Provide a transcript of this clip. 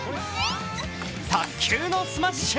卓球のスマッシュ。